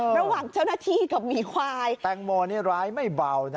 ระหว่างเจ้าหน้าที่กับหมีควายแตงโมนี่ร้ายไม่เบานะ